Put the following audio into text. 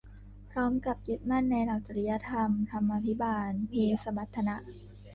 พร้อมกับยึดมั่นในหลักจริยธรรม ธรรมาภิบาล มีสมรรถนะ